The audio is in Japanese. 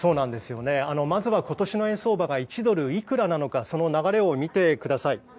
まずは今年の円相場が１ドルいくらなのかその流れを見てください。